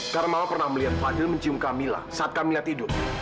karena mama pernah melihat fadil mencium kamila saat kamila tidur